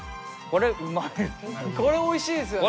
これおいしいですよね。